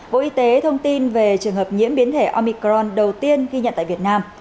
bộ y tế thông tin về trường hợp nhiễm biến thể omicron đầu tiên ghi nhận tại việt nam